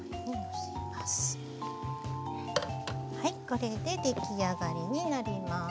これで出来上がりになります。